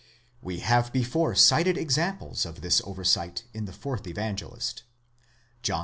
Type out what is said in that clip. We have before cited examples of this oversight in the fourth Evangelist (John i.